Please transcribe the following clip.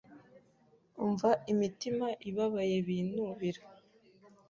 Umva imitima ibabaye binubira